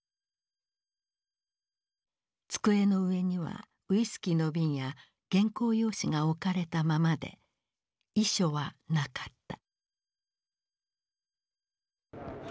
机の上にはウイスキーの瓶や原稿用紙が置かれたままで遺書はなかった。